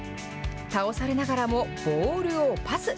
倒されながらも、ボールをパス。